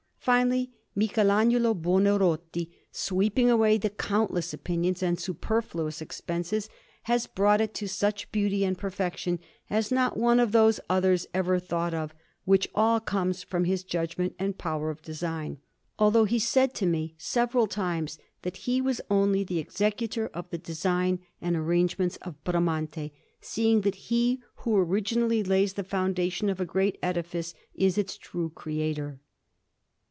Finally, Michelagnolo Buonarroti, sweeping away the countless opinions and superfluous expenses, has brought it to such beauty and perfection as not one of those others ever thought of, which all comes from his judgment and power of design; although he said to me several times that he was only the executor of the design and arrangements of Bramante, seeing that he who originally lays the foundations of a great edifice is its true creator.